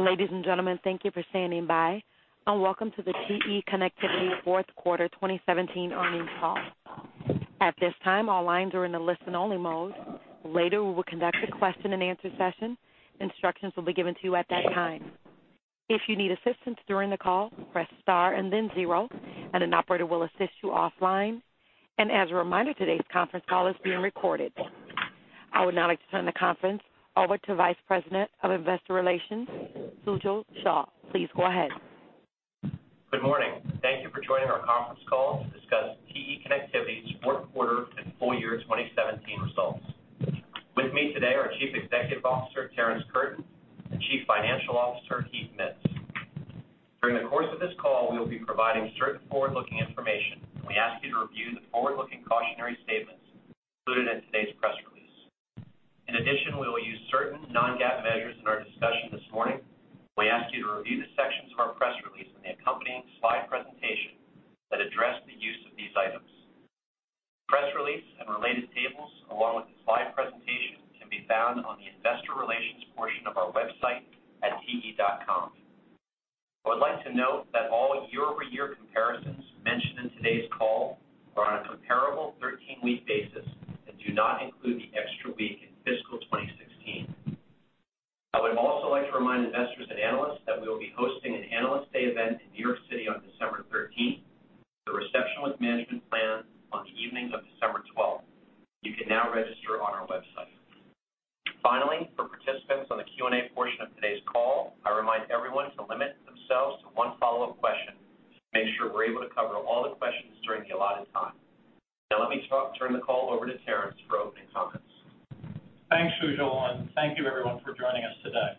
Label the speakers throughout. Speaker 1: Ladies and gentlemen, thank you for standing by, and welcome to the TE Connectivity fourth Quarter 2017 earnings call. At this time, all lines are in the listen-only mode. Later, we will conduct a question-and-answer session. Instructions will be given to you at that time. If you need assistance during the call, press star and then zero, and an operator will assist you offline. As a reminder, today's conference call is being recorded. I would now like to turn the conference over to Vice President of Investor Relations, Sujal Shah. Please go ahead.
Speaker 2: Good morning. Thank you for joining our conference call to discuss TE Connectivity's fourth Quarter and full year 2017 results. With me today are Chief Executive Officer Terrence Curtin and Chief Financial Officer Heath Mitts. During the course of this call, we will be providing certain forward-looking information, and we ask you to review the forward-looking cautionary statements included in today's press release. In addition, we will use certain non-GAAP measures in our discussion this morning, and we ask you to review the sections of our press release and the accompanying slide presentation that address the use of these items. Press release and related tables, along with the slide presentation, can be found on the Investor Relations portion of our website at te.com. I would like to note that all year-over-year comparisons mentioned in today's call are on a comparable 13-week basis and do not include the extra week in fiscal 2016. I would also like to remind investors and analysts that we will be hosting an Analyst Day event in New York City on December 13th, the Reception with Management Plan, on the evening of December 12th. You can now register on our website. Finally, for participants on the Q&A portion of today's call, I remind everyone to limit themselves to one follow-up question to make sure we're able to cover all the questions during the allotted time. Now, let me turn the call over to Terrence for opening comments.
Speaker 3: Thanks, Sujal, and thank you, everyone, for joining us today.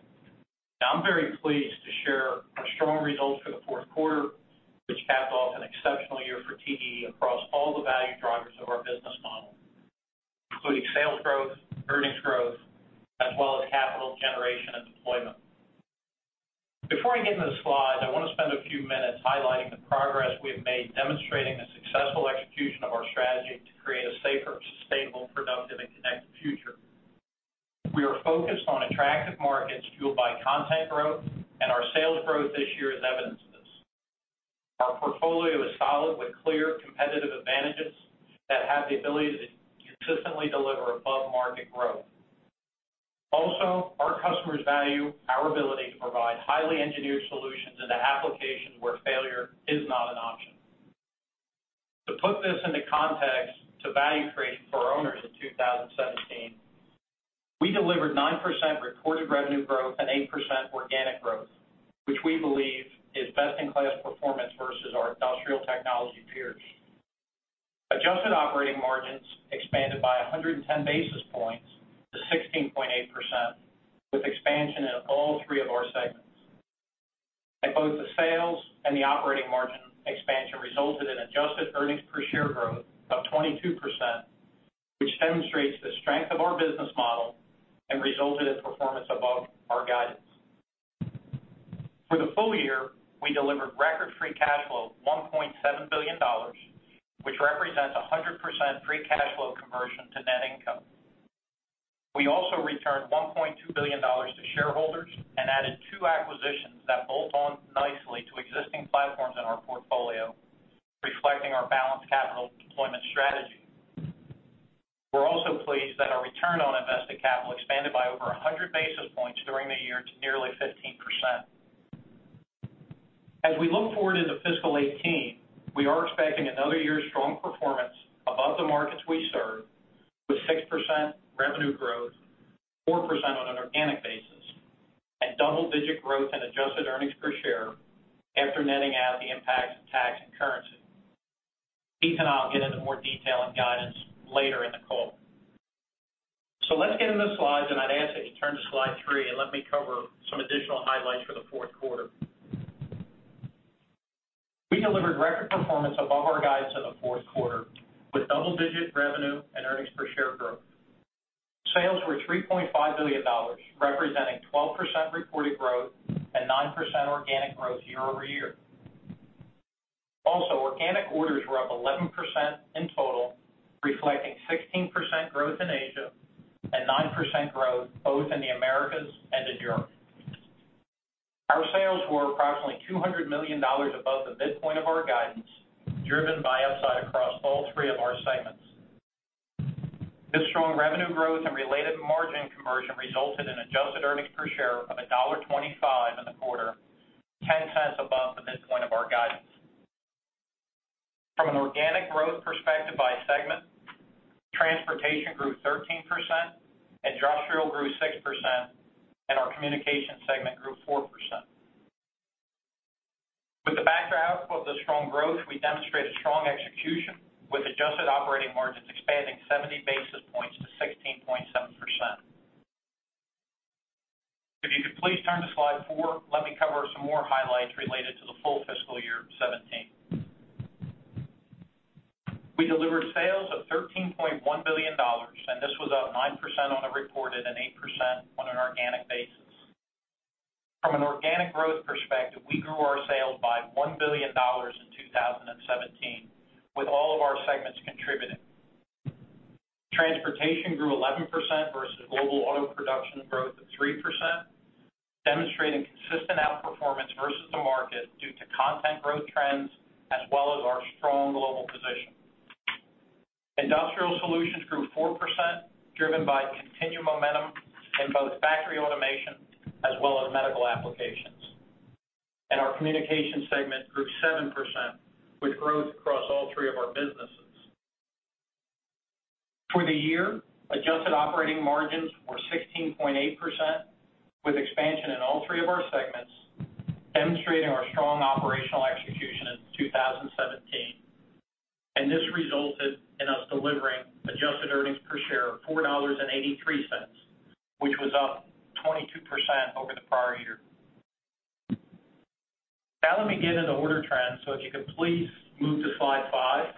Speaker 3: I'm very pleased to share our strong results for the 4th Quarter, which capped off an exceptional year for TE across all the value drivers of our business model, including sales growth, earnings growth, as well as capital generation and deployment. Before I get into the slides, I want to spend a few minutes highlighting the progress we have made, demonstrating the successful execution of our strategy to create a safer, sustainable, productive, and connected future. We are focused on attractive markets fueled by content growth, and our sales growth this year is evidence of this. Our portfolio is solid, with clear competitive advantages that have the ability to consistently deliver above-market growth. Also, our customers value our ability to provide highly engineered solutions into applications where failure is not an option. To put this into context to value creation for our owners in 2017, we delivered 9% reported revenue growth and 8% organic growth, which we believe is best-in-class performance versus our industrial technology peers. Adjusted operating margins expanded by 110 basis points to 16.8%, with expansion in all three of our segments. Both the sales and the operating margin expansion resulted in adjusted earnings per share growth of 22%, which demonstrates the strength of our business model and resulted in performance above our guidance. For the full year, we delivered record free cash flow, $1.7 billion, which represents 100% free cash flow conversion to net income. We also returned $1.2 billion to shareholders and added two acquisitions that bolt on nicely to existing platforms in our portfolio, reflecting our balanced capital deployment strategy. We're also pleased that our return on invested capital expanded by over 100 basis points during the year to nearly 15%. As we look forward into fiscal 2018, we are expecting another year of strong performance above the markets we serve, with 6% revenue growth, 4% on an organic basis, and double-digit growth in Adjusted earnings per share after netting out the impacts of tax and currency. Heath and I will get into more detail and guidance later in the call. So let's get into the slides, and I'd ask that you turn to slide three and let me cover some additional highlights for the fourth quarter. We delivered record performance above our guidance in the fourth quarter, with double-digit revenue and earnings per share growth. Sales were $3.5 billion, representing 12% reported growth and 9% organic growth year-over-year. Also, organic orders were up 11% in total, reflecting 16% growth in Asia and 9% growth both in the Americas and in Europe. Our sales were approximately $200 million above the midpoint of our guidance, driven by upside across all three of our segments. This strong revenue growth and related margin conversion resulted in adjusted earnings per share of $1.25 in the quarter, $0.10 above the midpoint of our guidance. From an organic growth perspective by segment, transportation grew 13%, industrial grew 6%, and our communication segment grew 4%. With the backdrop of the strong growth, we demonstrated strong execution, with adjusted operating margins expanding 70 basis points to 16.7%. If you could please turn to slide four, let me cover some more highlights related to the full fiscal year 2017. We delivered sales of $13.1 billion, and this was up 9% on a reported and 8% on an organic basis. From an organic growth perspective, we grew our sales by $1 billion in 2017, with all of our segments contributing. Transportation grew 11% versus global auto production growth of 3%, demonstrating consistent outperformance versus the market due to content growth trends as well as our strong global position. Industrial Solutions grew 4%, driven by continued momentum in both factory automation as well as medical applications. Our communication segment grew 7%, with growth across all three of our businesses. For the year, adjusted operating margins were 16.8%, with expansion in all three of our segments, demonstrating our strong operational execution in 2017. This resulted in us delivering adjusted earnings per share of $4.83, which was up 22% over the prior year. Now, let me get into order trends, so if you could please move to slide five.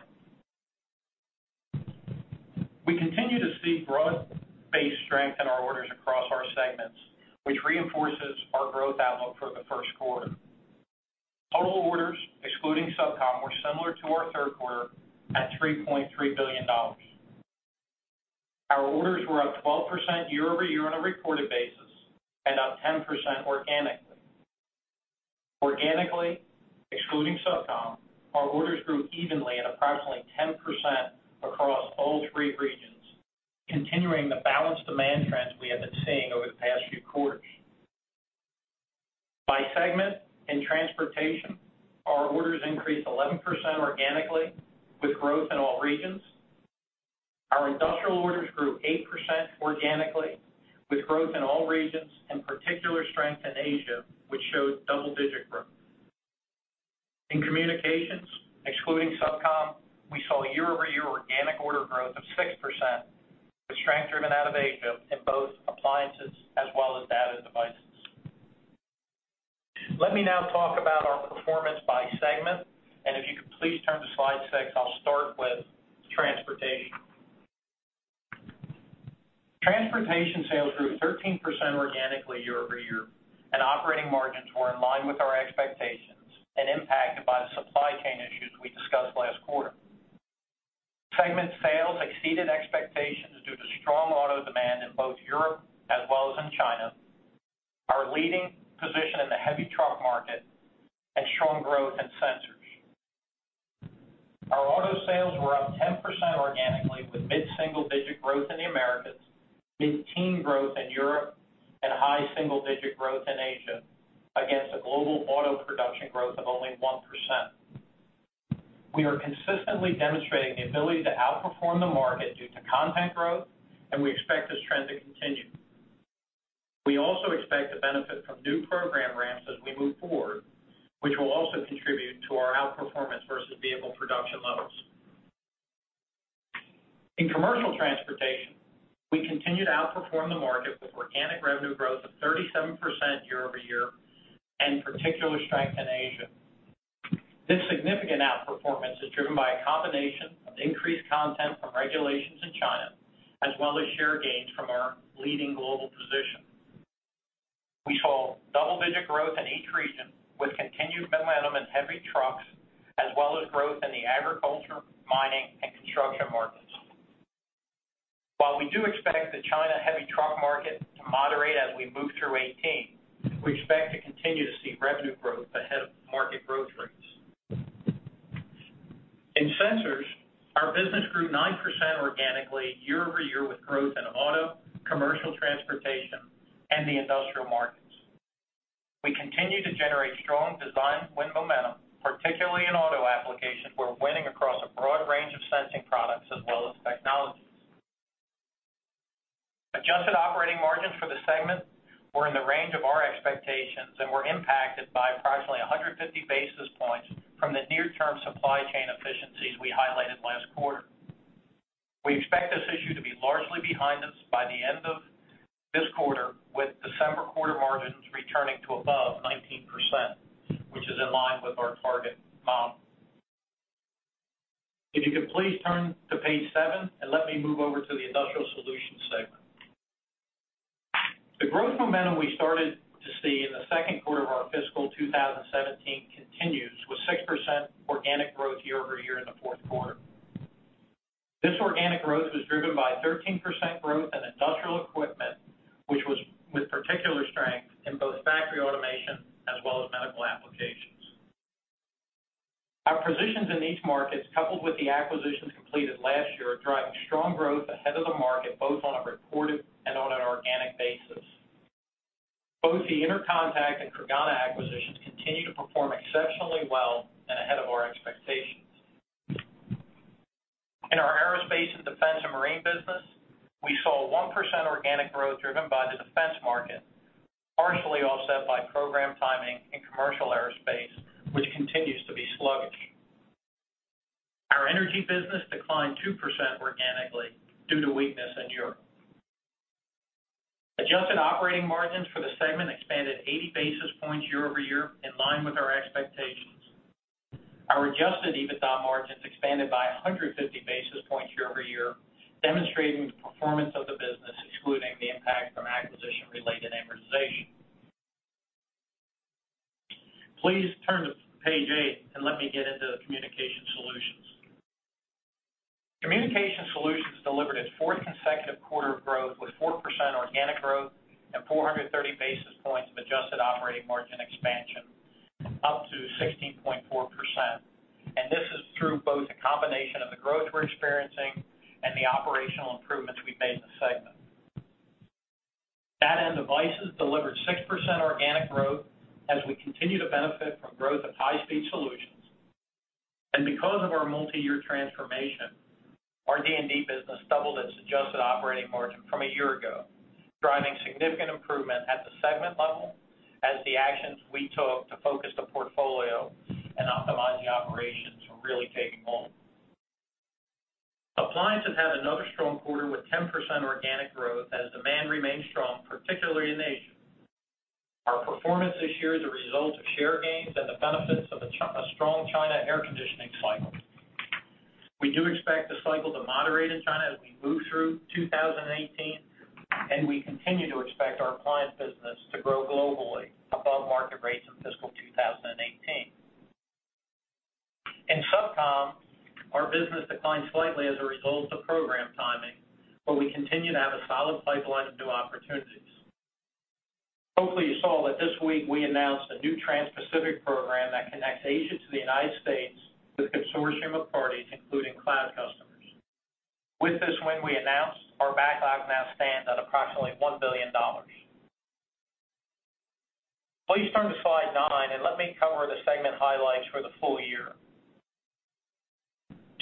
Speaker 3: We continue to see growth-based strength in our orders across our segments, which reinforces our growth outlook for the first quarter. Total orders, excluding subCom, were similar to our third quarter at $3.3 billion. Our orders were up 12% year-over-year on a reported basis and up 10% organically. Organically, excluding subCom, our orders grew evenly at approximately 10% across all three regions, continuing the balanced demand trends we have been seeing over the past few quarters. By segment in transportation, our orders increased 11% organically, with growth in all regions. Our industrial orders grew 8% organically, with growth in all regions and particular strength in Asia, which showed double-digit growth. In communications, excluding SubCom, we saw year-over-year organic order growth of 6%, with strength driven out of Asia in both appliances as well as data devices. Let me now talk about our performance by segment, and if you could please turn to slide six, I'll start with Transportation. Transportation sales grew 13% organically year-over-year, and operating margins were in line with our expectations and impacted by the supply chain issues we discussed last quarter. Segment sales exceeded expectations due to strong auto demand in both Europe as well as in China, our leading position in the heavy truck market, and strong growth in sensors. Our auto sales were up 10% organically, with mid-single-digit growth in the Americas, mid-teen growth in Europe, and high-single-digit growth in Asia, against a global auto production growth of only 1%. We are consistently demonstrating the ability to outperform the market due to content growth, and we expect this trend to continue. We also expect to benefit from new program ramps as we move forward, which will also contribute to our outperformance versus vehicle production levels. In commercial transportation, we continued to outperform the market with organic revenue growth of 37% year-over-year and particular strength in Asia. This significant outperformance is driven by a combination of increased content from regulations in China as well as share gains from our leading global position. We saw double-digit growth in each region with continued momentum in heavy trucks as well as growth in the agriculture, mining, and construction markets. While we do expect the China heavy truck market to moderate as we move through 2018, we expect to continue to see revenue growth ahead of market growth rates. In Sensors, our business grew 9% organically year-over-year with growth in auto, commercial transportation, and the industrial markets. We continue to generate strong design win momentum, particularly in auto applications where we're winning across a broad range of sensing products as well as technologies. Adjusted operating margins for the segment were in the range of our expectations and were impacted by approximately 150 basis points from the near-term supply chain efficiencies we highlighted last quarter. We expect this issue to be largely behind us by the end of this quarter, with December quarter margins returning to above 19%, which is in line with our target model. If you could please turn to page seven and let me move over to the Industrial Solutions segment. The growth momentum we started to see in the 2nd Quarter of our fiscal 2017 continues with 6% organic growth year-over-year in the fourth Quarter. This organic growth was driven by 13% growth in industrial equipment, which was with particular strength in both factory automation as well as medical applications. Our positions in these markets, coupled with the acquisitions completed last year, are driving strong growth ahead of the market both on a reported and on an organic basis. Both the Intercontec and Creganna acquisitions continue to perform exceptionally well and ahead of our expectations. In our aerospace and defense and marine business, we saw 1% organic growth driven by the defense market, partially offset by program timing in commercial aerospace, which continues to be sluggish. Our energy business declined 2% organically due to weakness in Europe. Adjusted operating margins for the segment expanded 80 basis points year over year, in line with our expectations. Our adjusted EBITDA margins expanded by 150 basis points year over year, demonstrating the performance of the business, excluding the impact from acquisition-related amortization. Please turn to page 8 and let me get into the Communication Solutions. Communication Solutions delivered its 4th consecutive quarter of growth with 4% organic growth and 430 basis points of adjusted operating margin expansion, up to 16.4%. This is through both a combination of the growth we're experiencing and the operational improvements we've made in the segment. Data and devices delivered 6% organic growth as we continue to benefit from growth of high-speed solutions. Because of our multi-year transformation, our D&D business doubled its adjusted operating margin from a year ago, driving significant improvement at the segment level as the actions we took to focus the portfolio and optimize the operations are really taking hold. Appliances had another strong quarter with 10% organic growth as demand remained strong, particularly in Asia. Our performance this year is a result of share gains and the benefits of a strong China air conditioning cycle. We do expect the cycle to moderate in China as we move through 2018, and we continue to expect our appliance business to grow globally above market rates in fiscal 2018. In SubCom, our business declined slightly as a result of program timing, but we continue to have a solid pipeline of new opportunities. Hopefully, you saw that this week we announced a new Trans-Pacific program that connects Asia to the United States with a consortium of parties, including cloud customers. With this win, we announced our backlog now stands at approximately $1 billion. Please turn to slide nine and let me cover the segment highlights for the full year.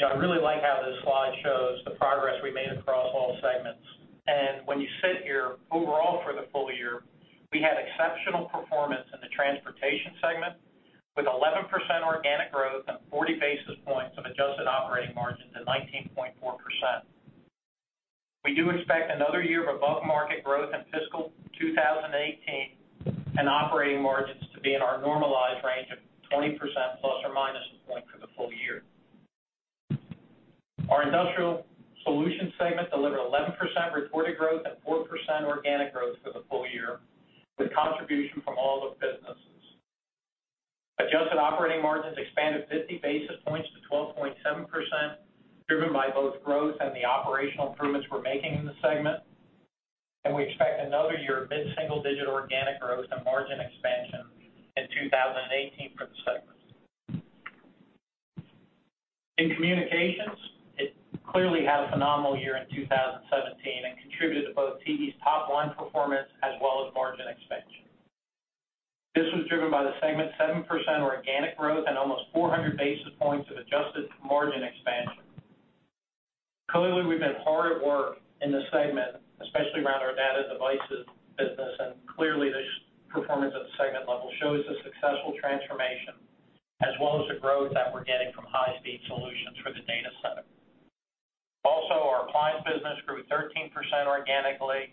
Speaker 3: I really like how this slide shows the progress we made across all segments. When you sit here, overall for the full year, we had exceptional performance in the transportation segment with 11% organic growth and 40 basis points of adjusted operating margins and 19.4%. We do expect another year of above-market growth in fiscal 2018 and operating margins to be in our normalized range of 20% ± 1% for the full year. Our industrial solution segment delivered 11% reported growth and 4% organic growth for the full year, with contribution from all the businesses. Adjusted operating margins expanded 50 basis points to 12.7%, driven by both growth and the operational improvements we're making in the segment. We expect another year of mid-single-digit organic growth and margin expansion in 2018 for the segment. In communications, it clearly had a phenomenal year in 2017 and contributed to both TE's top-line performance as well as margin expansion. This was driven by the segment's 7% organic growth and almost 400 basis points of adjusted margin expansion. Clearly, we've been hard at work in the segment, especially around our data and devices business, and clearly, this performance at the segment level shows the successful transformation as well as the growth that we're getting from high-speed solutions for the data center. Also, our appliance business grew 13% organically,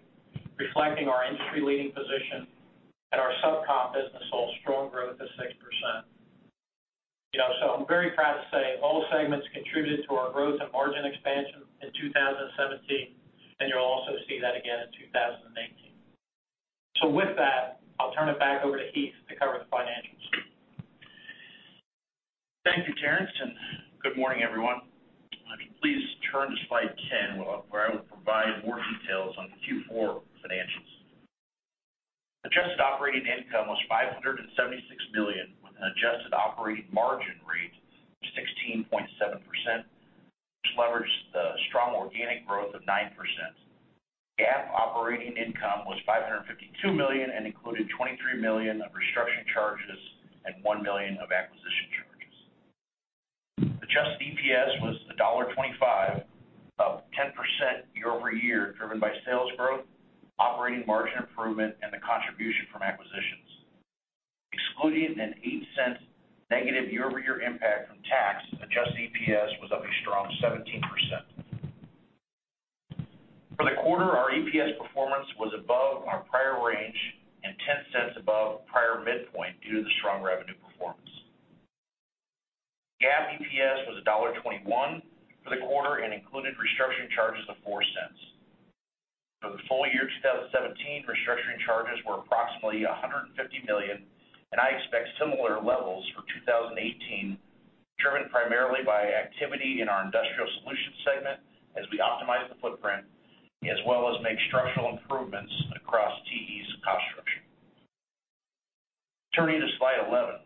Speaker 3: reflecting our industry-leading position, and our SubCom business saw strong growth of 6%. So I'm very proud to say all segments contributed to our growth and margin expansion in 2017, and you'll also see that again in 2018. So with that, I'll turn it back over to Heath to cover the financials.
Speaker 4: Thank you, Terrence, and good morning, everyone. If you please turn to slide 10, where I will provide more details on Q4 financials. Adjusted operating income was $576 million, with an adjusted operating margin rate of 16.7%, which leveraged the strong organic growth of 9%. GAAP operating income was $552 million and included $23 million of restructuring charges and $1 million of acquisition charges. Adjusted EPS was $1.25, up 10% year-over-year, driven by sales growth, operating margin improvement, and the contribution from acquisitions. Excluding an $0.08 negative year-over-year impact from tax, adjusted EPS was up a strong 17%. For the quarter, our EPS performance was above our prior range and $0.10 above prior midpoint due to the strong revenue performance. GAAP EPS was $1.21 for the quarter and included restructuring charges of $0.04. For the full year 2017, restructuring charges were approximately $150 million, and I expect similar levels for 2018, driven primarily by activity in our industrial solution segment as we optimize the footprint as well as make structural improvements across TE's cost structure. Turning to slide 11,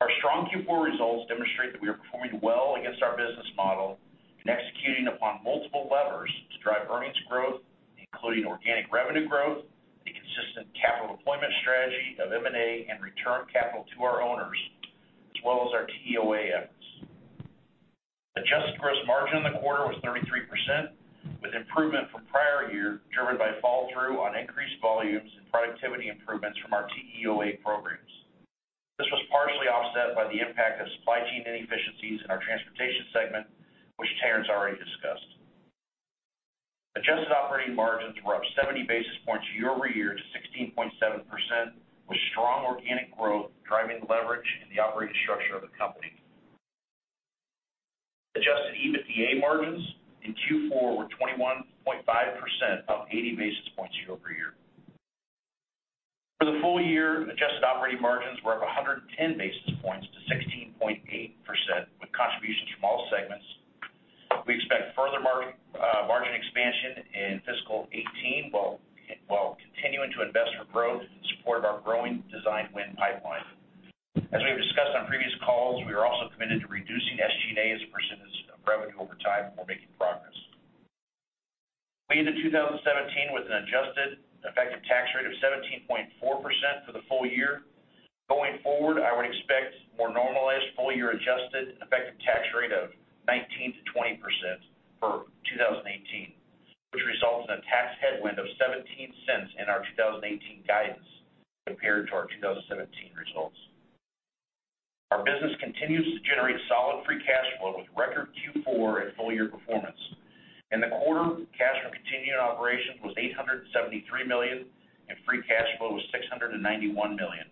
Speaker 4: our strong Q4 results demonstrate that we are performing well against our business model and executing upon multiple levers to drive earnings growth, including organic revenue growth, a consistent capital deployment strategy of M&A and return capital to our owners, as well as our TEOA efforts. Adjusted gross margin in the quarter was 33%, with improvement from prior year driven by fall-through on increased volumes and productivity improvements from our TEOA programs. This was partially offset by the impact of supply chain inefficiencies in our transportation segment, which Terrence already discussed. Adjusted operating margins were up 70 basis points year over year to 16.7%, with strong organic growth driving leverage in the operating structure of the company. Adjusted EBITDA margins in Q4 were 21.5%, up 80 basis points year over year. For the full year, adjusted operating margins were up 110 basis points to 16.8%, with contributions from all segments. We expect further margin expansion in fiscal 2018 while continuing to invest for growth in support of our growing design win pipeline. As we have discussed on previous calls, we are also committed to reducing SG&A as a percentage of revenue over time while making progress. We ended 2017 with an adjusted effective tax rate of 17.4% for the full year. Going forward, I would expect more normalized full-year adjusted effective tax rate of 19%-20% for 2018, which results in a tax headwind of $0.17 in our 2018 guidance compared to our 2017 results. Our business continues to generate solid free cash flow with record Q4 and full-year performance. In the quarter, cash from continuing operations was $873 million, and free cash flow was $691 million.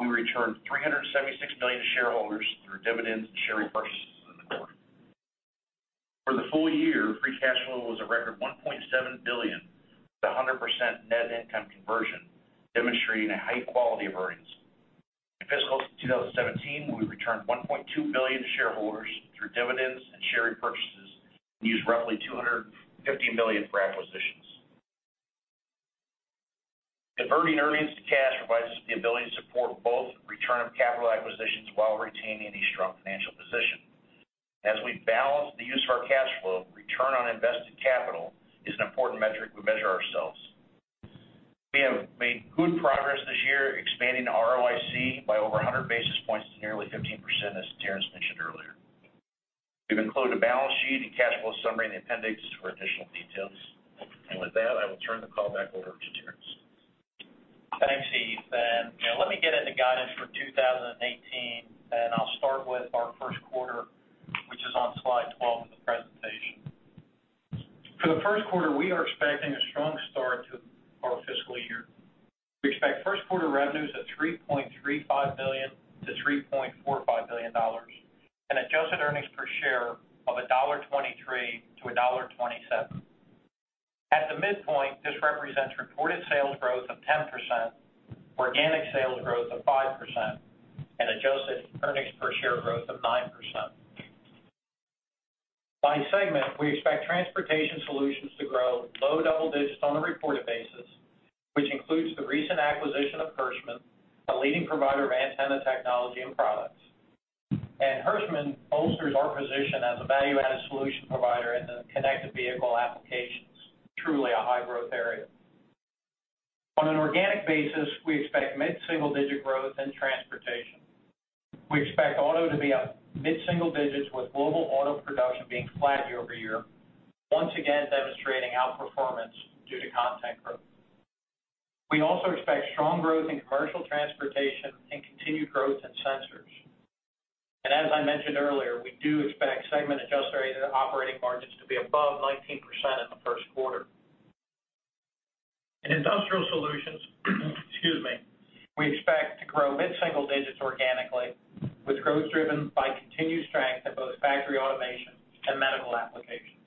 Speaker 4: We returned $376 million to shareholders through dividends and share repurchases in the quarter. For the full year, free cash flow was a record $1.7 billion with 100% net income conversion, demonstrating a high quality of earnings. In fiscal 2017, we returned $1.2 billion to shareholders through dividends and share repurchases and used roughly $250 million for acquisitions. Converting earnings to cash provides us with the ability to support both return of capital acquisitions while retaining a strong financial position. As we balance the use of our cash flow, return on invested capital is an important metric we measure ourselves. We have made good progress this year, expanding ROIC by over 100 basis points to nearly 15%, as Terrence mentioned earlier. We've included a balance sheet and cash flow summary in the appendix for additional details. And with that, I will turn the call back over to Terrence. Thanks, Heath. And let me get into guidance for 2018, and I'll start with our first quarter, which is on slide 12 of the presentation. For the first quarter, we are expecting a strong start to our fiscal year. We expect first quarter revenues of $3.35 million-$3.45 million and adjusted earnings per share of $1.23-$1.27. At the midpoint, this represents reported sales growth of 10%, organic sales growth of 5%, and adjusted earnings per share growth of 9%. By segment, we expect Transportation Solutions to grow low double digits on a reported basis, which includes the recent acquisition of Hirschmann, a leading provider of antenna technology and products. Hirschmann bolsters our position as a value-added solution provider in the connected vehicle applications, truly a high-growth area. On an organic basis, we expect mid-single-digit growth in transportation. We expect auto to be up mid-single digits, with global auto production being flat year-over-year, once again demonstrating outperformance due to content growth. We also expect strong growth in commercial transportation and continued growth in sensors. As I mentioned earlier, we do expect segment adjusted operating margins to be above 19% in the first quarter. In industrial solutions, excuse me, we expect to grow mid-single digits organically, with growth driven by continued strength in both factory automation and medical applications.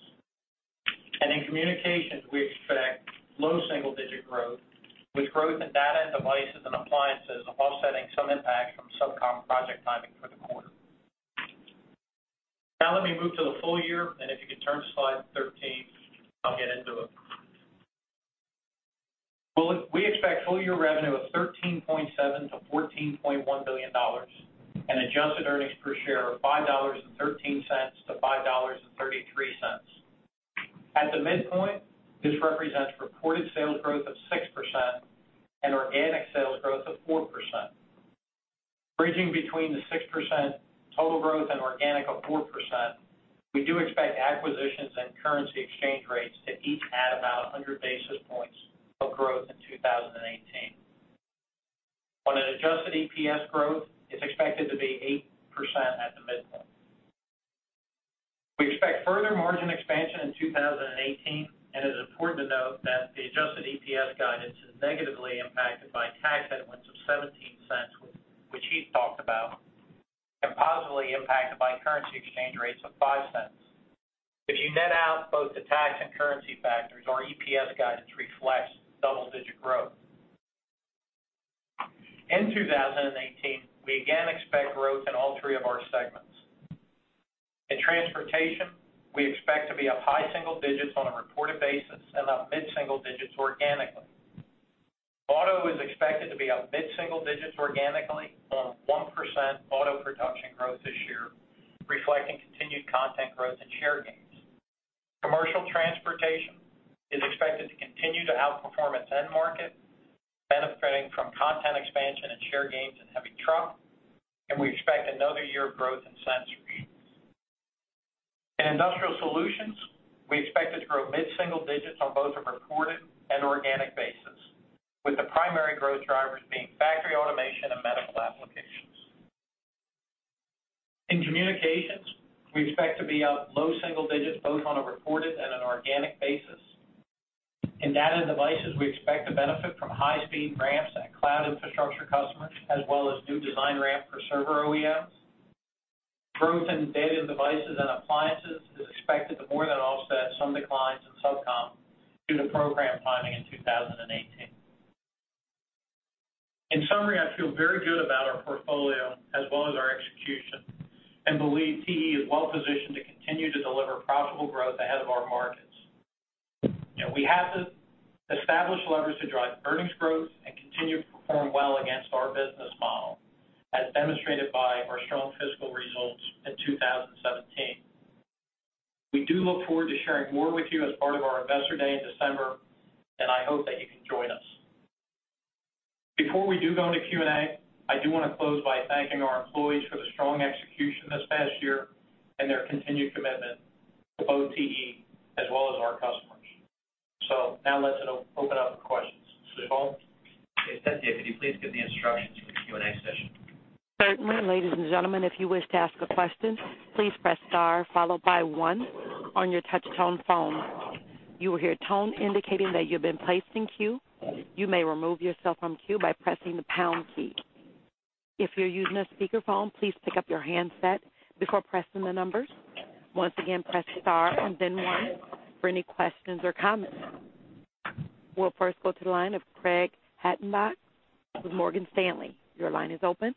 Speaker 4: And in communications, we expect low single-digit growth, with growth in data and devices and appliances offsetting some impact from sub-com project timing for the quarter. Now let me move to the full year, and if you could turn to slide 13, I'll get into it. We expect full-year revenue of $13.7 billion-$14.1 billion and adjusted earnings per share of $5.13-$5.33. At the midpoint, this represents reported sales growth of 6% and organic sales growth of 4%. Bridging between the 6% total growth and organic of 4%, we do expect acquisitions and currency exchange rates to each add about 100 basis points of growth in 2018. On an adjusted EPS growth, it's expected to be 8% at the midpoint. We expect further margin expansion in 2018, and it is important to note that the adjusted EPS guidance is negatively impacted by tax headwinds of $0.17, which Heath talked about, and positively impacted by currency exchange rates of $0.05. If you net out both the tax and currency factors, our EPS guidance reflects double-digit growth. In 2018, we again expect growth in all three of our segments. In transportation, we expect to be up high single digits on a reported basis and up mid-single digits organically. Auto is expected to be up mid-single digits organically on 1% auto production growth this year, reflecting continued content growth and share gains. Commercial transportation is expected to continue to outperform its end market, benefiting from content expansion and share gains in heavy truck, and we expect another year of growth in sensors. In industrial solutions, we expect to grow mid-single digits on both a reported and organic basis, with the primary growth drivers being factory automation and medical applications. In communications, we expect to be up low single digits both on a reported and an organic basis. In data and devices, we expect to benefit from high-speed ramps and cloud infrastructure customers, as well as new design ramps for server OEMs. Growth in data and devices and appliances is expected to more than offset some declines in sub-com due to program timing in 2018. In summary, I feel very good about our portfolio as well as our execution and believe TE is well-positioned to continue to deliver profitable growth ahead of our markets. We have to establish levers to drive earnings growth and continue to perform well against our business model, as demonstrated by our strong fiscal results in 2017. We do look forward to sharing more with you as part of our investor day in December, and I hope that you can join us. Before we do go into Q&A, I do want to close by thanking our employees for the strong execution this past year and their continued commitment to both TE as well as our customers. So now let's open up for questions. Mr. Hall? Hey, Cynthia, could you please give the instructions for the Q&A session?
Speaker 1: Certainly, ladies and gentlemen, if you wish to ask a question, please press star followed by one on your touch-tone phone. You will hear a tone indicating that you've been placed in queue. You may remove yourself from queue by pressing the pound key. If you're using a speakerphone, please pick up your handset before pressing the numbers. Once again, press star and then one for any questions or comments. We'll first go to the line of Craig Hettenbach with Morgan Stanley. Your line is open.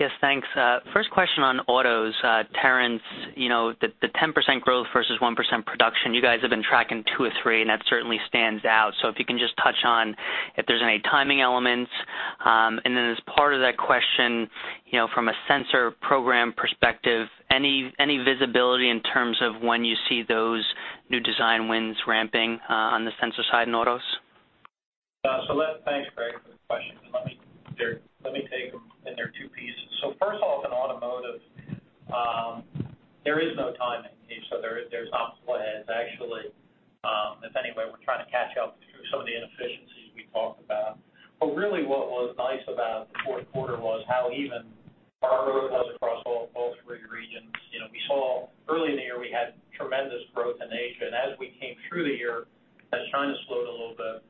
Speaker 5: Yes, thanks. First question on autos. Terrence, the 10% growth versus 1% production, you guys have been tracking two or three, and that certainly stands out. So if you can just touch on if there's any timing elements. And then as part of that question, from a sensor program perspective, any visibility in terms of when you see those new design wins ramping on the sensor side in autos?
Speaker 3: So thanks, Craig, for the question. Let me take them in their two pieces. So first off, in automotive, there is no timing, so there's obstacles ahead, actually, in any way we're trying to catch up through some of the inefficiencies we talked about. But really, what was nice about the fourth quarter was how even our growth was across all three regions. We saw early in the year we had tremendous growth in Asia, and as we came through the year, as China slowed a little bit,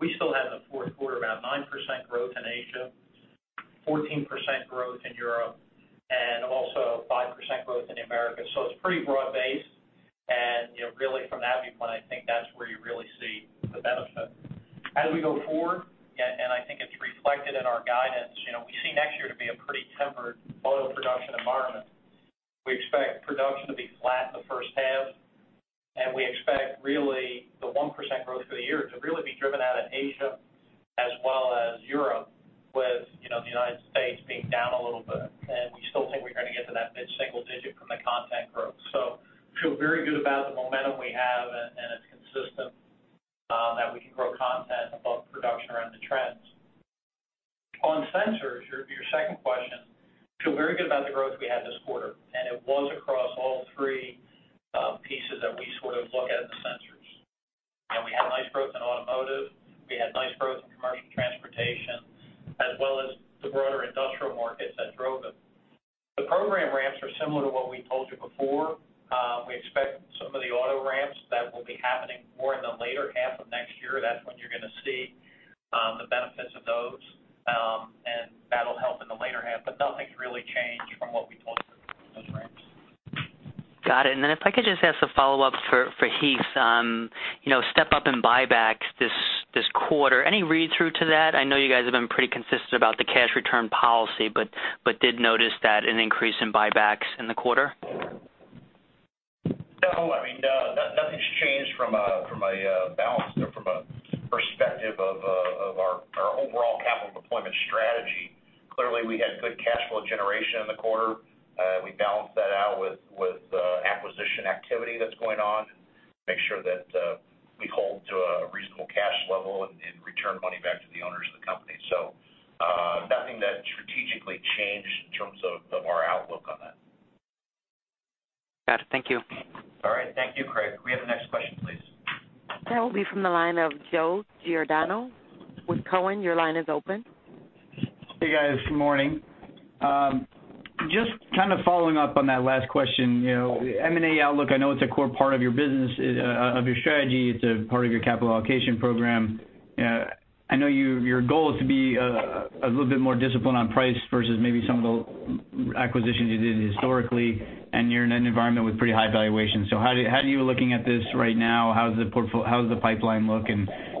Speaker 3: we still had in the fourth quarter about 9% growth in Asia,
Speaker 5: for Heath, step-up in buybacks this quarter. Any read-through to that? I know you guys have been pretty consistent about the cash return policy, but did notice that an increase in buybacks in the quarter?
Speaker 4: No, I mean, nothing's changed from a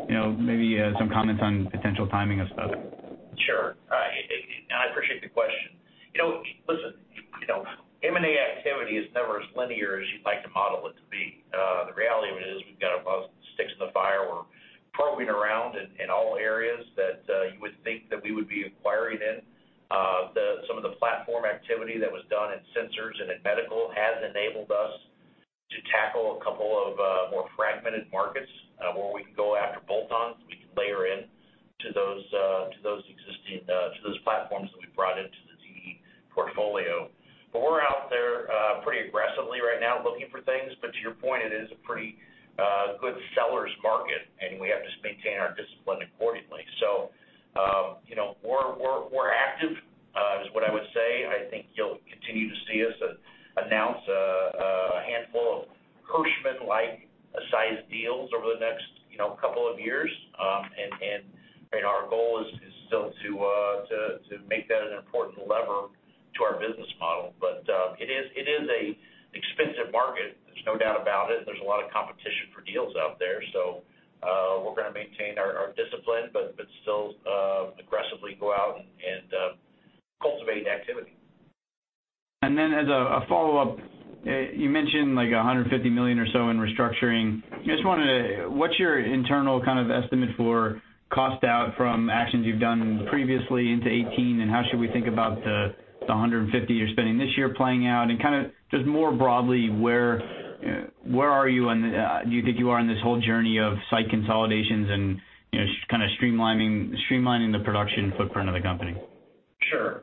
Speaker 6: And maybe some comments on potential timing of stuff.
Speaker 4: Sure. I appreciate the question. Listen, M&A activity is never as linear as you'd like to model it to be. The reality of it is we've got a lot of sticks in the fire. We're probing around in all areas that you would think that we would be acquiring in. Some of the platform activity that was done in sensors and in medical has enabled us to tackle a couple of more fragmented markets where we can go after bolt-ons. We can layer in to those existing platforms that we've brought into the TE portfolio. But we're out there pretty aggressively right now looking for things. But to your point, it is a pretty good sellers' market, and we have to maintain our discipline accordingly. So we're active, is what I would say. I think you'll continue to see us announce a handful of Hirschmann-like-sized deals over the next couple of years. And our goal is still to make that an important lever to our business model. But it is an expensive market. There's no doubt about it. There's a lot of competition for deals out there. We're going to maintain our discipline but still aggressively go out and cultivate activity.
Speaker 6: Then as a follow-up, you mentioned like $150 million or so in restructuring. I just wanted to ask, what's your internal kind of estimate for cost out from actions you've done previously into 2018? How should we think about the $150 million you're spending this year playing out? Kind of just more broadly, where are you? Do you think you are in this whole journey of site consolidations and kind of streamlining the production footprint of the company?
Speaker 3: Sure.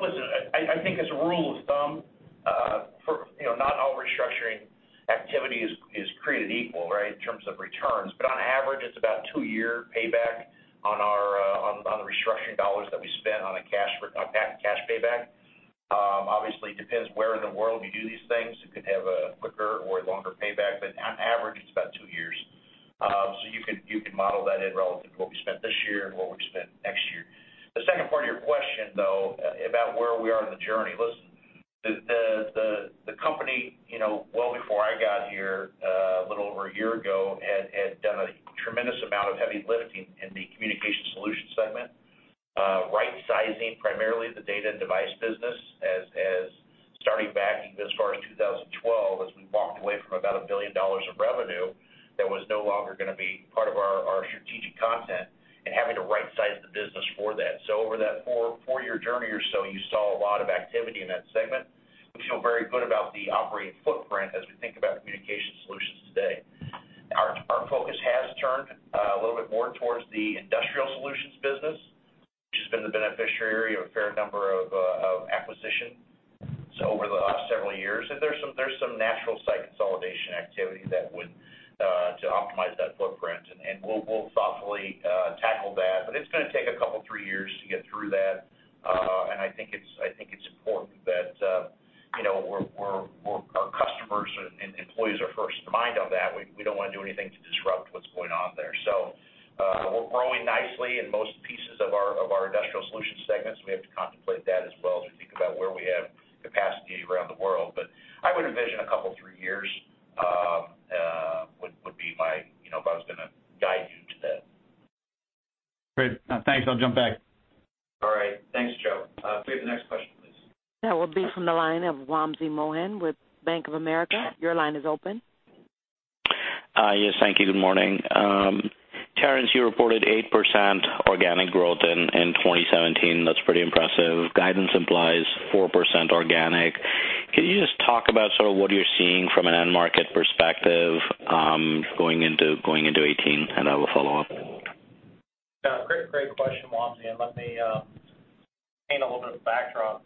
Speaker 3: Listen, I think as a rule of thumb, not all restructuring activity is created equal, right, in terms of returns. But on average, it's about two-year payback on the restructuring dollars that we spent on a cash payback. Obviously, it depends where in the world you do these things. It could have a quicker or longer payback. But on average, it's about two years. So you can model that in relation to what we spent this year and what we spent next year. The second part of your question, though, about where we are in the journey, listen, the company, well before I got here, a little over a year ago, had done a tremendous amount of heavy lifting in the communications solutions segment, right-sizing primarily the data and devices business, starting back even as far as 2012 as we walked away from about $1 billion of revenue that was no longer going to be part of our strategic portfolio and having to right-size the business for that. So over that four-year journey or so, you saw a lot of activity in that segment. We feel very good about the operating footprint as we think about communication solutions today. Our focus has turned a little bit more towards the industrial solutions business, which has been the beneficiary of a fair number of acquisitions over the last several years. And there's some natural site consolidation activity that would optimize that footprint, and we'll thoughtfully tackle that. But it's going to take a couple of three years to get through that. And I think it's important that our customers and employees are first in mind on that. We don't want to do anything to disrupt what's going on there. So we're growing nicely in most pieces of our industrial solution segments. We have to contemplate that as well as we think about where we have capacity around the world. But I would envision a couple of three years would be my if I was going to guide you to that. Great.
Speaker 6: Thanks. I'll jump back.
Speaker 2: All right. Thanks, Joe. Please have the next question, please.
Speaker 1: That will be from the line of Wamsi Mohan with Bank of America. Your line is open.
Speaker 3: Yes, thank you. Good morning. Terrence, you reported 8% organic growth in 2017. That's pretty impressive. Guidance implies 4% organic. Can you just talk about sort of what you're seeing from an end market perspective going into 2018? And I will follow up. Yeah. Great question, Wamsi. And let me paint a little bit of backdrop.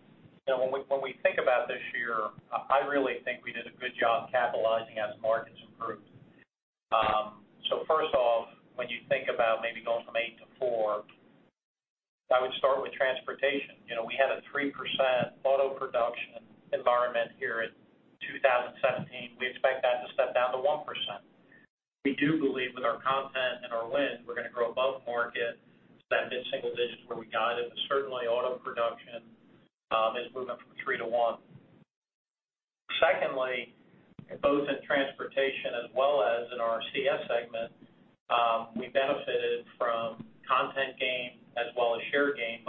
Speaker 3: When we think about this year, I really think we did a good job capitalizing as markets improved. So first off, when you think about maybe going from eight to four, I would start with transportation. We had a 3% auto production environment here in 2017. We expect that to step down to 1%. We do believe with our content and our wins, we're going to grow above market to that mid-single digit where we got it. But certainly, auto production is moving from 3% to 1%. Secondly, both in transportation as well as in our CS segment, we benefited from content gain as well as share gain,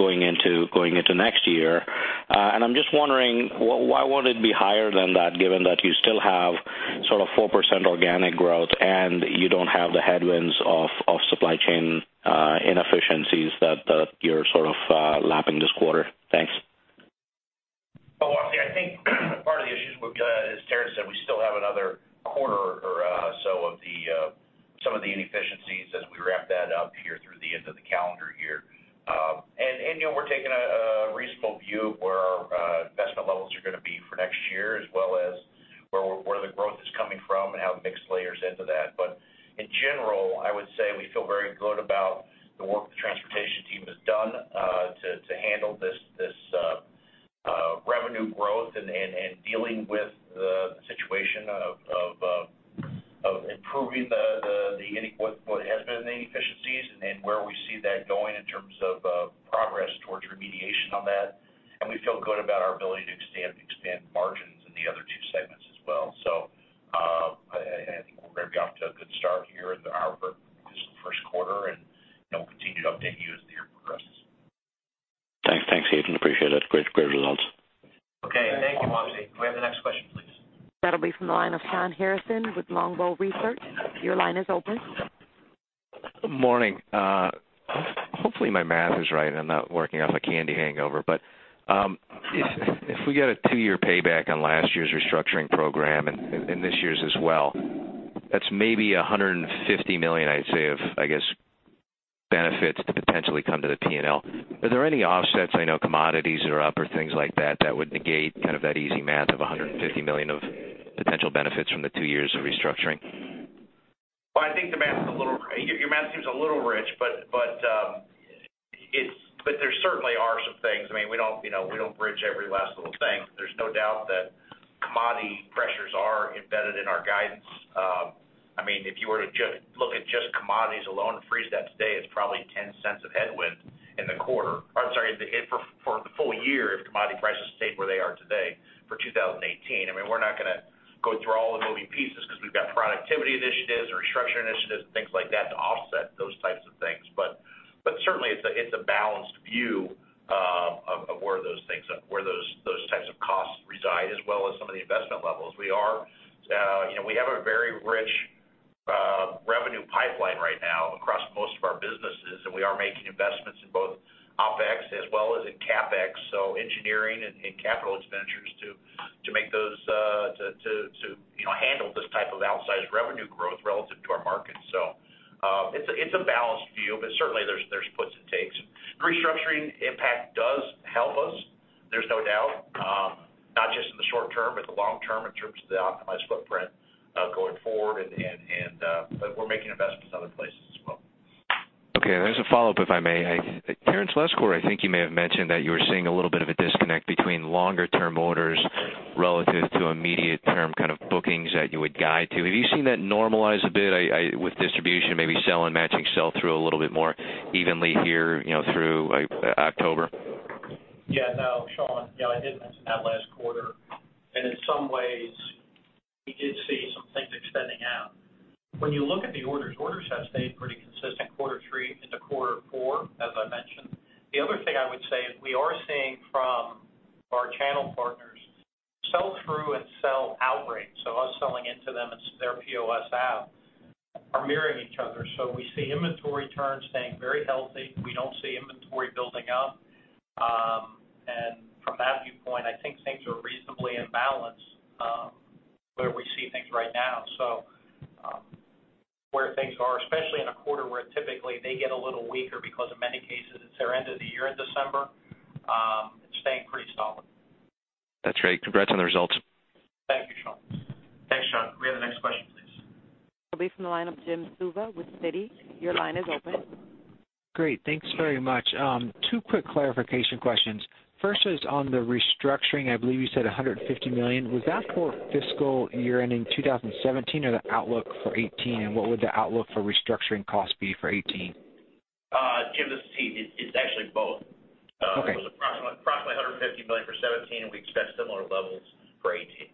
Speaker 7: going into next year. I'm just wondering, why would it be higher than that, given that you still have sort of 4% organic growth and you don't have the headwinds of supply chain inefficiencies that you're sort of lapping this quarter? Thanks.
Speaker 4: Oh, I think part of the issues is, Terrence said, we still have another quarter or so of some of the inefficiencies as we wrap that up here through the end of the calendar year. We're taking a reasonable view of where our investment levels are going to be for next year, as well as where the growth is coming from and how it mixes layers into that. But in general, I would say we feel very good about the work the transportation team has done to handle this revenue growth and dealing with the situation of improving what has been the inefficiencies and where we see that going in terms of progress towards remediation on that. We feel good about our ability to expand margins in the other two segments as well. I think we're going to be off to a good start here in our first quarter, and we'll continue to update you as the year progresses.
Speaker 7: Thanks. Thanks, Heath. Appreciate it. Great results.
Speaker 2: Okay. Thank you, Wamsi. Do we have the next question, please?
Speaker 1: That'll be from the line of Shawn Harrison with Longbow Research. Your line is open.
Speaker 8: Good morning. Hopefully, my math is right. I'm not working off a candy hangover. But if we get a two-year payback on last year's restructuring program and this year's as well, that's maybe $150 million, I'd say, of, I guess, benefits to potentially come to the P&L. Are there any offsets? I know commodities are up or things like that that would negate kind of that easy math of $150 million of potential benefits from the two years of restructuring?
Speaker 3: Well, I think the math's a little, your math seems a little rich, but there certainly are some things. I mean, we don't bridge every last little thing. There's no doubt that commodity pressures are embedded in our guidance. I mean, if you were to just look at just commodities alone and freeze that today, it's probably $0.10 of headwind in the quarter. I'm sorry, for the full year if commodity prices stayed where they are today for 2018. I mean, we're not going to go through all the moving pieces because we've got productivity initiatives and restructuring initiatives and things like that to offset those types of things. But certainly, it's a balanced view of where those things are, where those types of costs reside, as well as some of the investment levels. We have a very rich revenue pipeline right now across most of our businesses, and we are making investments in both OPEX as well as in CAPEX, so engineering and capital expenditures to make those to handle this type of outsized revenue growth relative to our markets. So it's a balanced view, but certainly, there's puts and takes. Restructuring impact does help us, there's no doubt, not just in the short term but the long term in terms of the optimized footprint going forward. But we're making investments in other places as well.
Speaker 8: Okay. There's a follow-up, if I may. Terrence Curtin, I think you may have mentioned that you were seeing a little bit of a disconnect between longer-term orders relative to immediate-term kind of bookings that you would guide to. Have you seen that normalize a bit with distribution, maybe sell-in matching sell-through a little bit more evenly here through October?
Speaker 4: Yeah. No, Shawn, I did mention that last quarter. In some ways, we did see some things extending out. When you look at the orders, orders have stayed pretty consistent quarter three into quarter four, as I mentioned. The other thing I would say is we are seeing from our channel partners sell-through and sell-out. So us selling into them and their POS are mirroring each other. So we see inventory turns staying very healthy. We don't see inventory building up. From that viewpoint, I think things are reasonably in balance where we see things right now. So where things are, especially in a quarter where typically they get a little weaker because in many cases, it's their end of the year in December, it's staying pretty solid.
Speaker 8: That's great. Congrats on the results.
Speaker 2: Thank you, Shawn. Thanks, Shawn. We have the next question, please.
Speaker 1: We'll be from the line of Jim Suva with Citi. Your line is open.
Speaker 9: Great. Thanks very much. Two quick clarification questions. First is on the restructuring. I believe you said $150 million. Was that for fiscal year ending 2017 or the outlook for 2018? And what would the outlook for restructuring costs be for 2018?
Speaker 10: Jim, this is Pete. It's actually both. It was approximately $150 million for 2017, and we expect similar levels for 2018.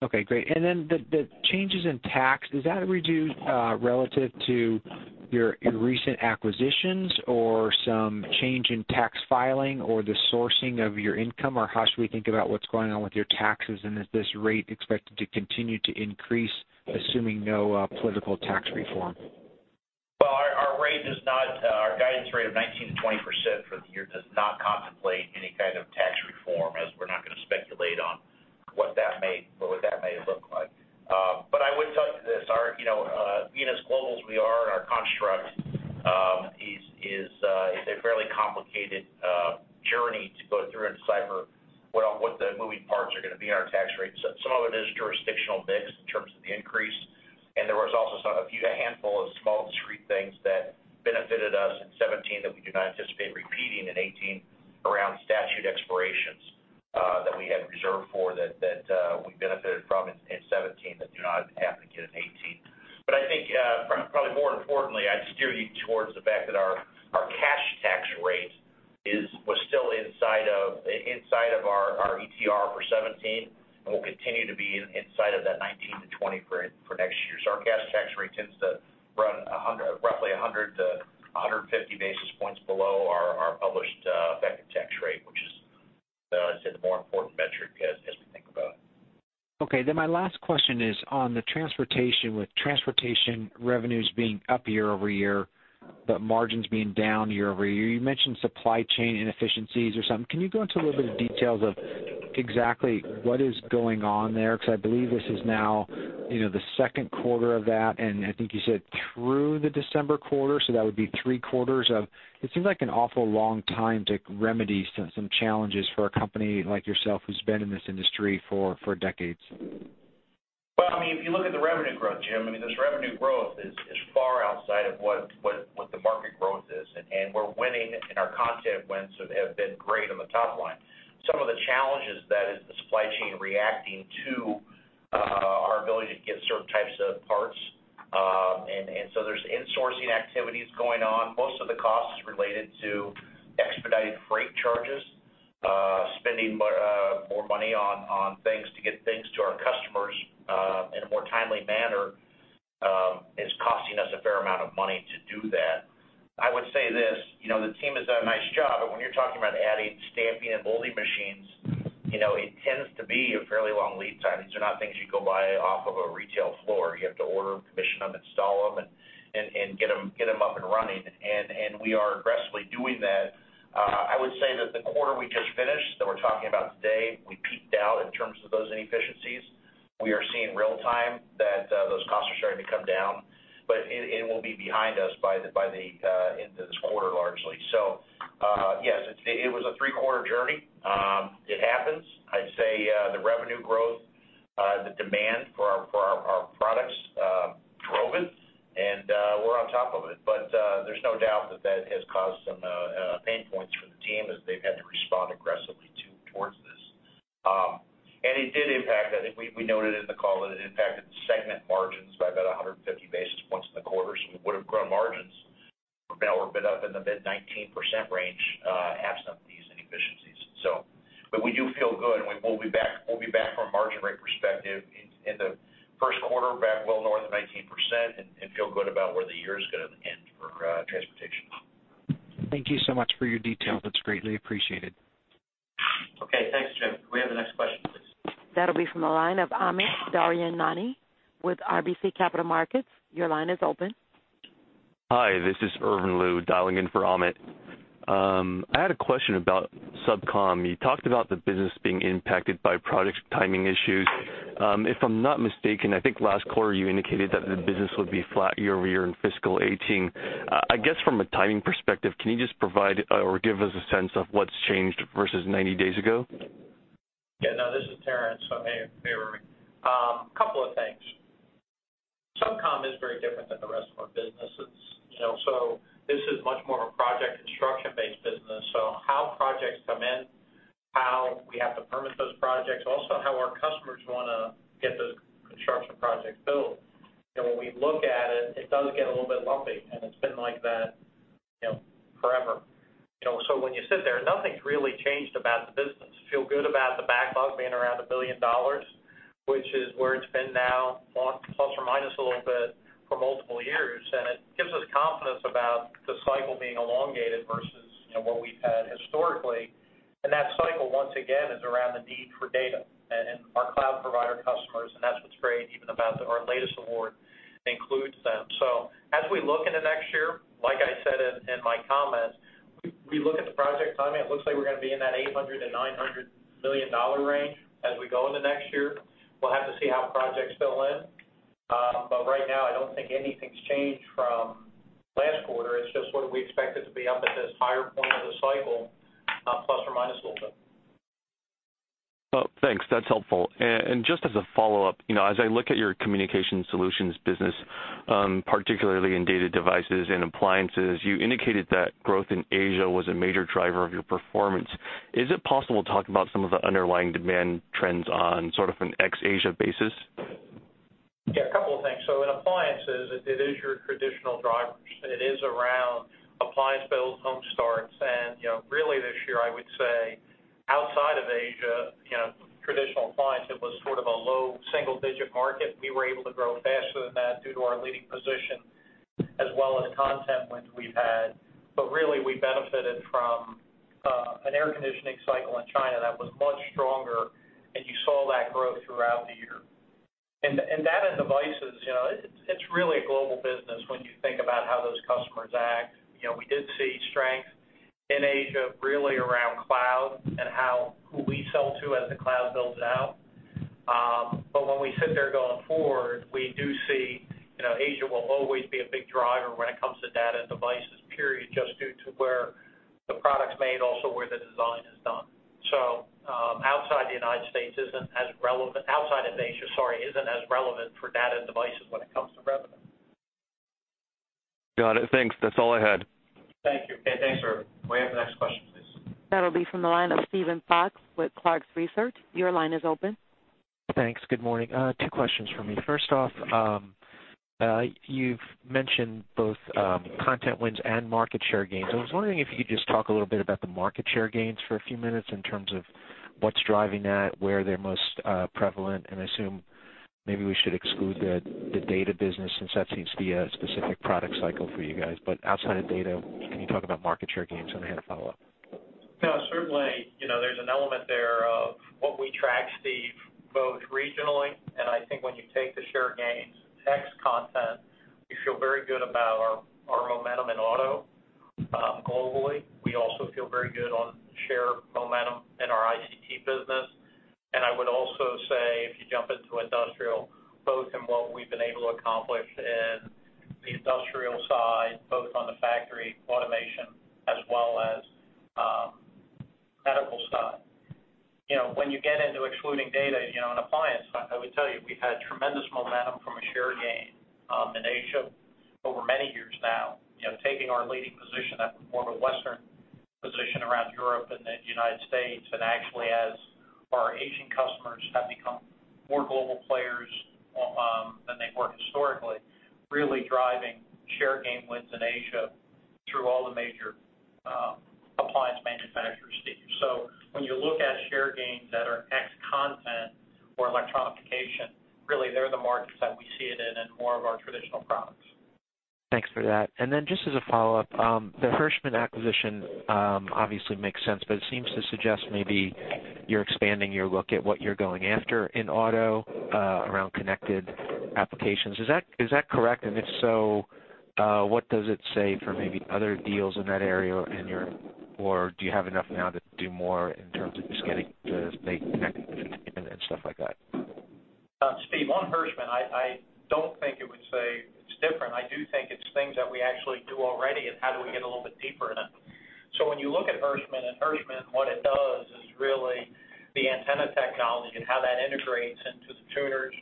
Speaker 9: Okay. Great. Then the changes in tax, is that reduced relative to your recent acquisitions or some change in tax filing or the sourcing of your income? Or how should we think about what's going on with your taxes? And is this rate expected to continue to increase, assuming no political tax reform?
Speaker 10: Well, our rate is not our guidance rate of 19%-20% for the year does not contemplate any kind of tax reform, as we're not going to speculate on what that may look like. But I would tell you this. Being as global as we are, our construct is a fairly complicated journey to go through and decipher what the moving parts are going to be in our tax rate. Some of it is jurisdictional mix Well, I mean, if you look at the revenue growth, Jim, I mean, this revenue growth is far outside of what the market growth is. And we're winning, and our content wins have been great on the top line. Some of the challenges that is the supply chain reacting to our ability to get certain types of parts. And so there's insourcing activities going on. Most of the cost is related to expedited freight charges. Spending more money on things to get things to our customers in a more timely manner is costing us a fair amount of money to do that. I would say this: the team has done a nice job. But when you're talking about adding stamping and molding machines, it tends to be a fairly long lead time. These are not things you go buy off of a retail floor. You have to order, commission them, install them, and get them up and running. And we are aggressively doing that. I would say that the quarter we just finished that we're talking about today, we peaked out in terms of those inefficiencies. We are seeing real-time that those costs are starting to come down, but it will be behind us by the end of this quarter largely. So yes, it was a three-quarter journey. It happens.
Speaker 3: I'd say the revenue growth, the demand for our products drove it, and we're on top of it. But there's no doubt that that has caused some pain points for the team as they've had to respond aggressively towards this. And it did impact, I think we noted in the call that it impacted segment margins by about 150 basis points in the quarter. So we would have grown margins. Now we're a bit up in the mid-19% range absent these inefficiencies. But we do feel good. We'll be back from a margin rate perspective in the first quarter, back well north of 19%, and feel good about where the year is going to end for transportation.
Speaker 9: Thank you so much for your details. It's greatly appreciated.
Speaker 2: Okay. Thanks, Jim. We have the next question, please.
Speaker 9: That'll be from the line of Amit Daryanani with RBC Capital Markets. Your line is open.
Speaker 11: Hi. This is Irvin Liu dialing in for Amit. I had a question about SubCom. You talked about the business being impacted by project timing issues. If I'm not mistaken, I think last quarter you indicated that the business would be flat year-over-year in fiscal 2018. I guess from a timing perspective, can you just provide or give us a sense of what's changed versus 90 days ago?
Speaker 3: Yeah. No, this is Terrence, so I'm here for me. A couple of things. SubCom is very different than the rest of our businesses. So this is much more of a project construction-based business. So how projects come in, how we have to permit those projects, also how our customers want to get those construction projects built. And when we look at it, it does get a little bit lumpy, and it's been like that forever. So when you sit there, nothing's really changed about the business. Feel good about the backlog being around $1 billion, which is where it's been now, plus or minus a little bit for multiple years. And that cycle, once again, is around the need for data and our cloud provider customers. And that's what's great even about our latest award includes them. So as we look into next year, like I said in my comments, we look at the project timing. It looks like we're going to be in that $800 million-$900 million range as we go into next year. We'll have to see how projects fill in. But right now, I don't think anything's changed from last quarter. It's just sort of we expect it to be up at this higher point of the cycle, plus or minus a little bit.
Speaker 11: Well, thanks. That's helpful. And just as a follow-up, as I look at your communication solutions business, particularly in data devices and appliances, you indicated that growth in Asia was a major driver of your performance. Is it possible to talk about some of the underlying demand trends on sort of an ex-Asia basis?
Speaker 3: Yeah. A couple of things. So in appliances, it is your traditional drivers. It is around appliance builds, home starts. And really this year, I would say outside of Asia, traditional appliances, it was sort of a low single-digit market. We were able to grow faster than that due to our leading position as well as content wins we've had. But really, we benefited from an air conditioning cycle in China that was much stronger, and you saw that growth throughout the year. And data and devices, it's really a global business when you think about how those customers act. We did see strength in Asia really around cloud and who we sell to as the cloud builds out. But when we sit there going forward, we do see Asia will always be a big driver when it comes to data and devices, period, just due to where the product's made, also where the design is done. So outside the United States isn't as relevant outside of Asia, sorry, isn't as relevant for data and devices when it comes to revenue.
Speaker 11: Got it. Thanks. That's all I had.
Speaker 2: Thank you. Okay. Thanks, Irvin. We have the next question, please.
Speaker 1: That'll be from the line of Steven Fox with Cross Research.Your line is open.
Speaker 12: Thanks. Good morning. Two questions for me. First off, you've mentioned both content wins and market share gains. I was wondering if you could just talk a little bit about the market share gains for a few minutes in terms of what's driving that, where they're most prevalent? And I assume maybe we should exclude the data business since that seems to be a specific product cycle for you guys. But outside of data, can you talk about market share gains? I had a follow-up.
Speaker 3: No, certainly. There's an element there of what we track, Steve, both regionally. And I think when you take the share gains, ex-content, you feel very good about our momentum in auto globally. We also feel very good on share momentum in our ICT business. I would also say if you jump into industrial, both in what we've been able to accomplish in the industrial side, both on the factory automation as well as medical side. When you get into excluding data in appliance, I would tell you we've had tremendous momentum from a share gain in Asia over many years now, taking our leading position that was more of a Western position around Europe and the United States. And actually, as our Asian customers have become more global players than they were historically, really driving share gain wins in Asia through all the major appliance manufacturers, Steve. So when you look at share gains that are ex-content or electrification, really they're the markets that we see it in and more of our traditional products.
Speaker 12: Thanks for that. And then just as a follow-up, the Hirschmann acquisition obviously makes sense, but it seems to suggest maybe you're expanding your look at what you're going after in auto around connected applications. Is that correct? And if so, what does it say for maybe other deals in that area? Or do you have enough now to do more in terms of just getting the connected entertainment and stuff like that?
Speaker 4: Steve, on Hirschmann, I don't think it would say it's different. I do think it's things that we actually do already and how do we get a little bit deeper in it. So when you look at Hirschmann, and Hirschmann, what it does is really the antenna technology and how that integrates into the tuners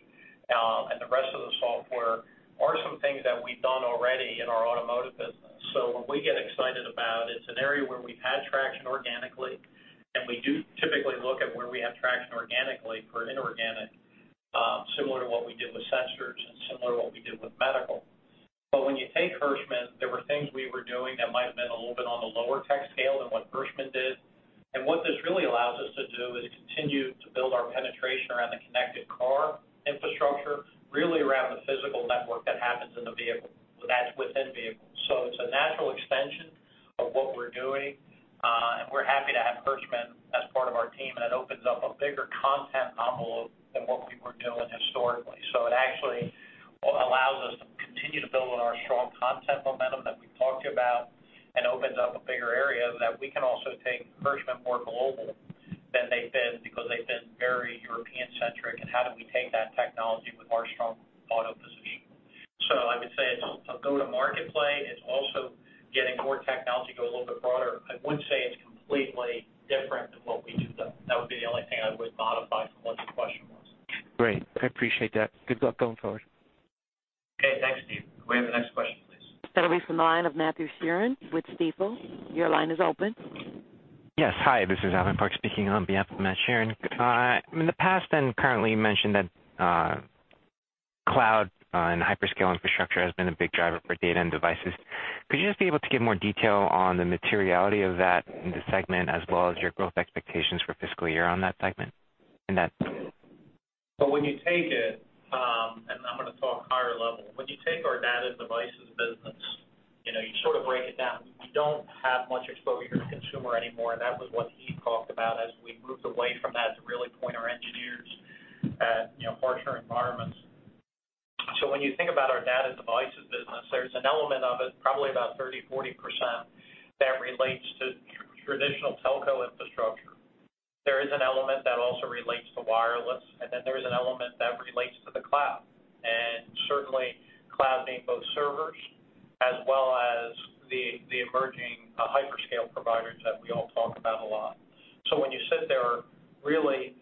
Speaker 4: and the rest of the software are some things that we've done already in our automotive business. So what we get excited about, it's an area where we've had traction organically. And we do typically look at where we have traction organically for inorganic, similar to what we did with sensors and similar to what we did with medical. But when you take Hirschmann, there were things we were doing that might have been a little bit on the lower tech scale than what Hirschmann did. And what this really allows us to do is continue to build our penetration around the connected car infrastructure, really around the physical network that happens in the vehicle. That's within vehicles. So it's a natural extension of what we're doing. And we're happy to have Hirschmann as part of our team. And it opens up a bigger content envelope than what we were doing historically. So it actually allows us to continue to build on our strong content momentum that we've talked about and opens up a bigger area that we can also take Hirschmann more global than they've been because they've been very European-centric. And how do we take that technology with our strong auto position? So I would say it's a go-to-market play. It's also getting more technology to go a little bit broader. I wouldn't say it's completely different than what we do though. That would be the only thing I would modify from what your question was.
Speaker 12: Great. I appreciate that. Good luck going forward.
Speaker 2: Okay. Thanks, Steve. We have the next question, please.
Speaker 1: That'll be from the line of Matt Sheerin with Stifel. Your line is open.
Speaker 13: Yes. Hi. This is Alvin Park speaking on behalf of Matt Sheerin. In the past and currently, you mentioned that cloud and hyperscale infrastructure has been a big driver for data and devices. Could you just be able to give more detail on the materiality of that in the segment as well as your growth expectations for fiscal year on that segment in that?
Speaker 4: But when you take it, and I'm going to talk higher level. When you take our data and devices business, you sort of break it down. We don't have much exposure to consumer anymore. And that was what he talked about as we moved away from that to really point our engineers at partner environments. So when you think about our data and devices business, there's an element of it, probably about 30%-40%, that relates to traditional telco infrastructure. There is an element that also relates to wireless. And then there is an element that relates to the cloud. And certainly, cloud being both servers as well as the emerging hyperscale providers that we all talk about a lot. So when you sit there, really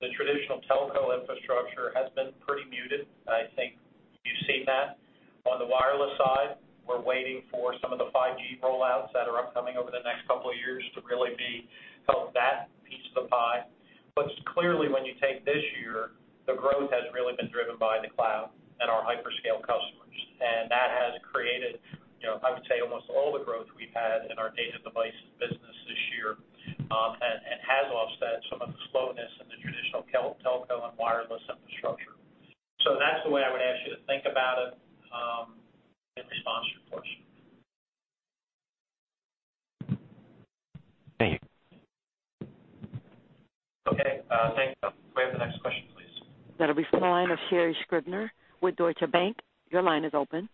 Speaker 4: the traditional telco infrastructure has been pretty muted. I think you've seen that. On the wireless side, we're waiting for some of the 5G rollouts that are upcoming over the next couple of years to really help that piece of the pie. But clearly, when you take this year, the growth has really been driven by the cloud and our hyperscale customers. And that has created, I would say, almost all the growth we've had in our data and devices business this year and has offset some of the slowness in the traditional telco and wireless infrastructure. So that's the way I would ask you to think about it in response to your question.
Speaker 13: Thank you.
Speaker 2: Okay. Thank you. We have the next question, please.
Speaker 1: That'll be from the line of Sherri Scribner with Deutsche Bank. Your line is open.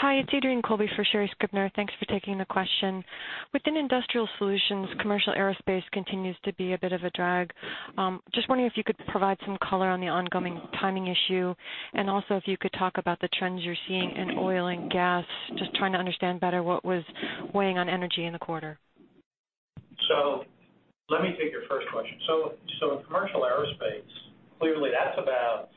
Speaker 14: Hi. It's Adrienne Colby for Sherri Scribner. Thanks for taking the question. Within industrial solutions, commercial aerospace continues to be a bit of a drag. Just wondering if you could provide some color on the ongoing timing issue and also if you could talk about the trends you're seeing in oil and gas, just trying to understand better what was weighing on energy in the quarter. So let me take your first question. So in commercial aerospace, clearly that's about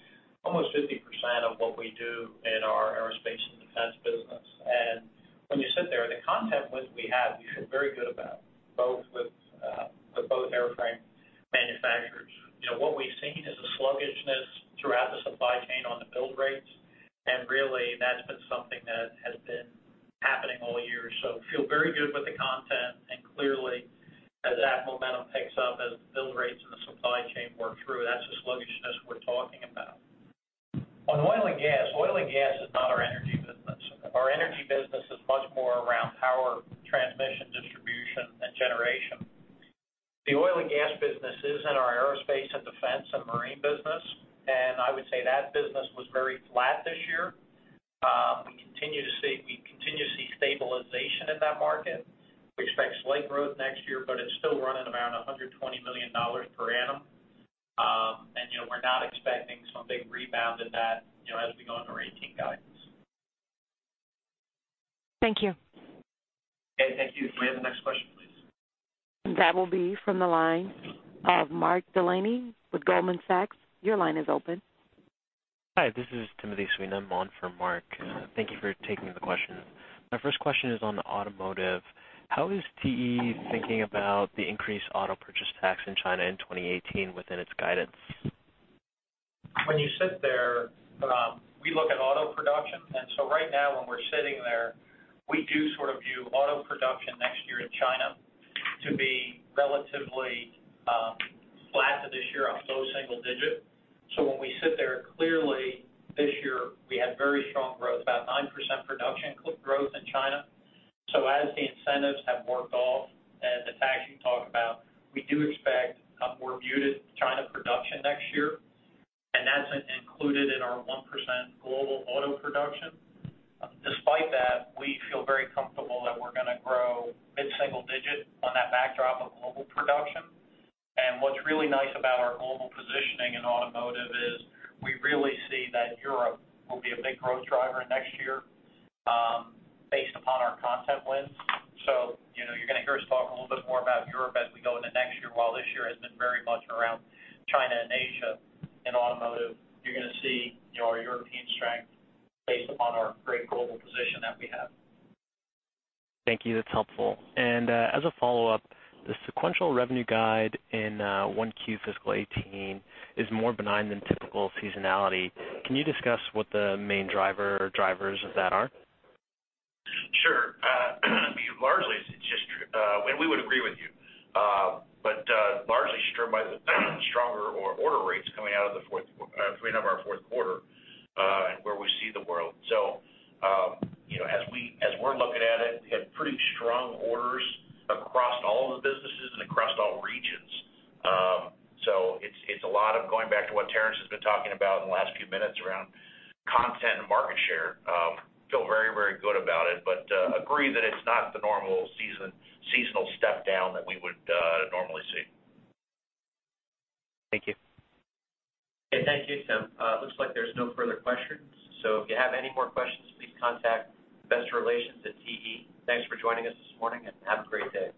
Speaker 3: a more muted China production next year. And that's included in our 1% global auto production. Despite that, we feel very comfortable that we're going to grow mid-single digit on that backdrop of global production. And what's really nice about our global positioning in automotive is we really see that Europe will be a big growth driver next year based upon our content wins. So you're going to hear us talk a little bit more about Europe as we go into next year. While this year has been very much around China and Asia in automotive, you're going to see our European strength based upon our great global position that we have.
Speaker 15: Thank you. That's helpful. As a follow-up, the sequential revenue guide in 1Q fiscal 2018 is more benign than typical seasonality. Can you discuss what the main driver or drivers of that are?
Speaker 4: Sure. Largely, it's just and we would agree with you. But largely stronger order rates coming out of our fourth quarter and where we see the world. So as we're looking at it, we had pretty strong orders across all of the businesses and across all regions. So it's a lot of going back to what Terrence has been talking about in the last few minutes around content and market share. Feel very, very good about it, but agree that it's not the normal seasonal step down that we would normally see.
Speaker 2: Thank you. Okay. Thank you, Tim. Looks like there's no further questions. So if you have any more questions, please contact Investor Relations at TE.
Speaker 1: Thanks for joining us this morning and have a great day.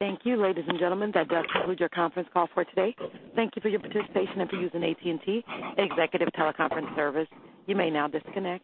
Speaker 1: Thank you, ladies and gentlemen. That does conclude your conference call for today. Thank you for your participation and for using AT&T Executive Teleconference Service. You may now disconnect.